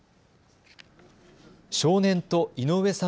少年と井上さん